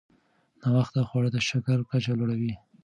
ناوخته خواړه د شکر کچه لوړوي.